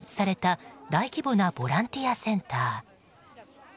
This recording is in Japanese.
国境付近に開設された大規模なボランティアセンター。